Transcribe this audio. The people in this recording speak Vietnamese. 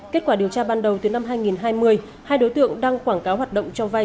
kết quả điều tra ban đầu từ năm hai nghìn hai mươi hai đối tượng đăng quảng cáo hoạt động cho vay